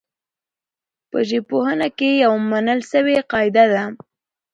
په ژبپوهنه کي يوه منل سوې قاعده ده.